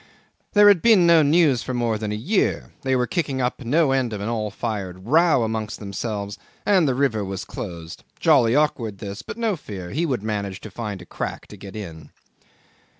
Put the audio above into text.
There had been no news for more than a year; they were kicking up no end of an all fired row amongst themselves, and the river was closed. Jolly awkward, this; but, no fear; he would manage to find a crack to get in.